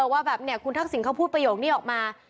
ว่าคุณทักศิลป์เขาพูดประโยคนี้ออกมา